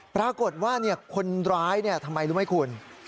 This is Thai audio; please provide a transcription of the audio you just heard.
ปรากฏว่าคนร้ายทำไมรู้ไหมคุณ